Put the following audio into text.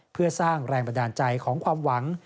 เพื่อสร้างแรงบันดาลใจของความหวัง